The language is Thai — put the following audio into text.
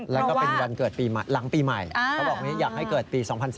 แล้วก็เป็นวันเกิดปีหลังปีใหม่เขาบอกอยากให้เกิดปี๒๔๙